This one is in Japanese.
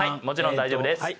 もちろん大丈夫です。